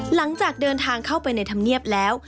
หลังจากเดินทางเข้าไปในธรรมเนียบแล้ว